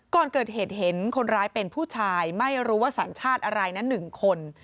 ก่อนเกิดเหตุเห็นคนร้ายเป็นผู้ชายไม่รู้ว่าสัญชาติอะไรนะ๑คน